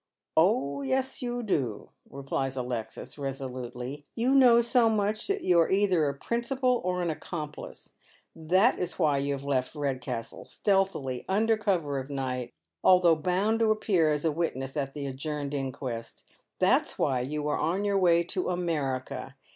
" Oh yes, you do," replies Alexis, resolutely. " You know BO much that you are either a principal or an accomplice. That is why you liave left Redcastle, stealthily, under cover of ni^ht, although bound to auuear as a witness at the The Podmores thinTc of Emigration. 365 idjcMrned inquest. That is why you are on your way to America.